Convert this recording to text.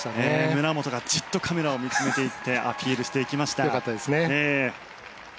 村元がじっとカメラを見つめていってアピールしていきました。